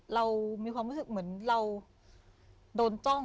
เรามีความรู้สึกเหมือนเราโดนจ้อง